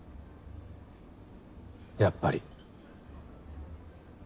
やっぱり。